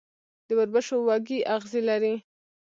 د وربشو وږی اغزي لري.